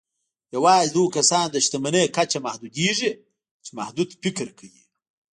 يوازې د هغو کسانو د شتمني کچه محدودېږي چې محدود فکر کوي.